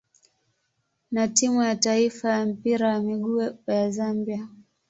na timu ya taifa ya mpira wa miguu ya Zambia.